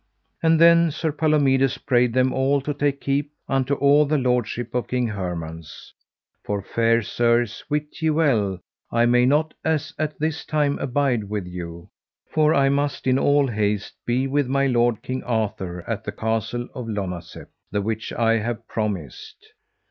And then Sir Palomides prayed them all to take keep unto all the lordship of King Hermance: For, fair sirs, wit ye well I may not as at this time abide with you, for I must in all haste be with my lord King Arthur at the Castle of Lonazep, the which I have promised.